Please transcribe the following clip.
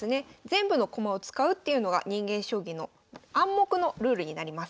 全部の駒を使うっていうのが人間将棋の暗黙のルールになります。